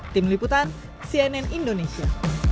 tim liputan cnn indonesia